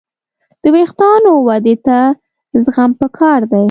د وېښتیانو ودې ته زغم پکار دی.